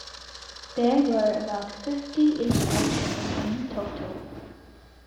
There were about fifty instructions in total.